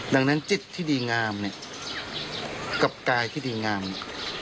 ดังนั้นจิตที่ดีงามเนี่ยกับกายที่ดีงาม